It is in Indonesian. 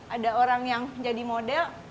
ada orang yang jadi model